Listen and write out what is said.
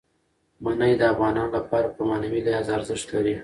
منی د افغانانو لپاره په معنوي لحاظ ارزښت لري.